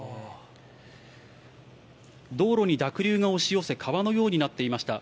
道路に濁流が押し寄せ、川のようになっていました。